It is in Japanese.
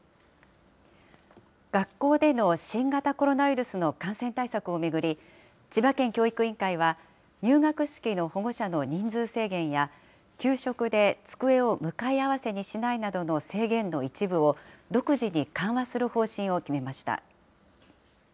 学校での新型コロナウイルスの感染対策を巡り、千葉県教育委員会は、入学式の保護者の人数制限や、給食で机を向かい合わせにしないなどの制限の一部を、独自に緩和する方針を決めました。